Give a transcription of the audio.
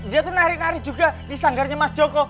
dia tuh nari nari juga di sanggarnya mas joko